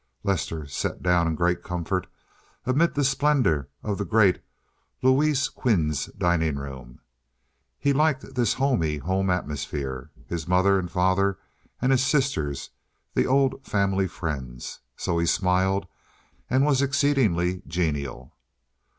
Lester sat down in great comfort amid the splendors of the great Louis Quinze dining room. He liked this homey home atmosphere—his mother and father and his sisters—the old family friends. So he smiled and was exceedingly genial.